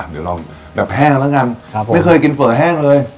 เดี๋ยวลองแบบแห้งแล้วกันครับผมไม่เคยกินเฝอแห้งเลย